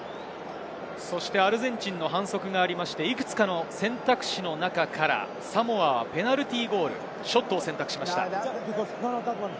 アルゼンチンの反則があって、いくつかの選択肢の中からサモアはペナルティーゴール、ショットを選択しました。